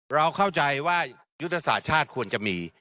เราเข้าใจว่ายุทธศาสตร์ชาติควรจะมี